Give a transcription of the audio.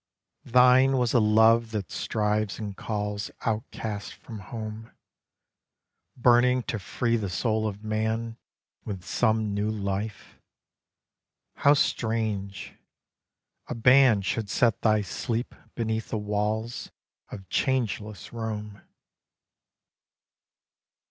Thine was a love that strives and calls Outcast from home, Burning to free the soul of man With some new life. How strange, a ban Should set thy sleep beneath the walls Of changeless Rome!